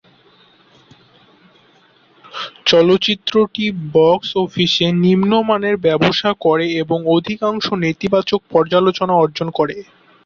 চলচ্চিত্রটি বক্স অফিসে নিম্নমানের ব্যবসা করে এবং অধিকাংশ নেতিবাচক পর্যালোচনা অর্জন করে।